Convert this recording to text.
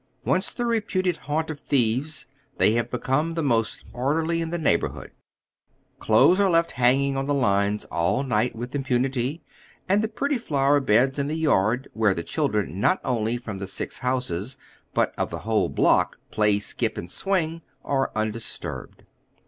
Once the reputed haunt of thieves, they have become the most orderly in the neighborhood. Clothes ai e left hanging on the lines all night witli impunity, and tlie pretty flower beds in the yard wliere the children not only from the six houses, hut of the whole block, play, skip, and swing, are undis turbed.